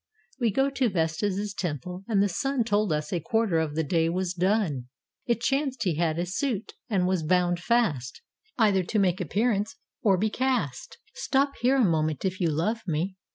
We got to Vesta's temple, and the sun Told us a quarter of the day was done. It chanced he had a suit, and was bound fast Either to make appearance or be cast. 407 ROME "Stop here a moment, if you love me."